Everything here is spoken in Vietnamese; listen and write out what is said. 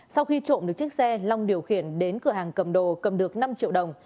sau khi trộm được chiếc xe long điều khiển đến cửa hàng cầm đồ cầm được năm triệu đồng